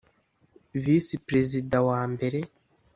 Visi Prezida wa mbere